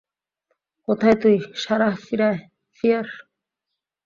কোথায় তুই, Sarah fear?